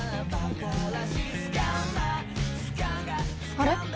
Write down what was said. あれ？